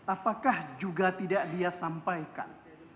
apakah juga tidak dia sampaikan